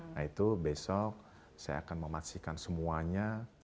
nah itu besok saya akan memastikan semuanya